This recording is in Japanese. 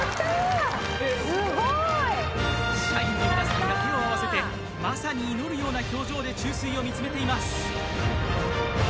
社員の皆さんが手を合わせてまさに祈るような表情で注水を見つめています